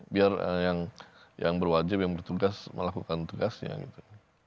biar yang berwajib yang bertugas melakukan tugasnya gitu